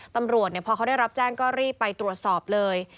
ตำรวจพอเขาได้รับแจ้งก็รีบไปตรวจสอบเลย